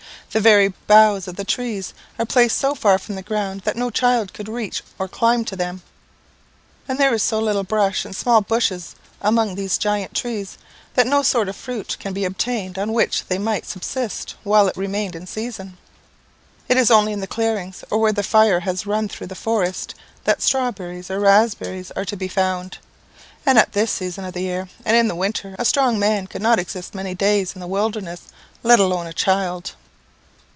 The very boughs of the trees are placed so far from the ground, that no child could reach or climb to them; and there is so little brush and small bushes among these giant trees, that no sort of fruit can be obtained, on which they might subsist while it remained in season. It is only in clearings, or where the fire has run through the forest, that strawberries or raspberries are to be found; and at this season of the year, and in the winter, a strong man could not exist many days in the wilderness let alone a child.